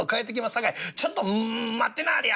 さかいちょっと待ってなはれや！」。